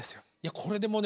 これでもね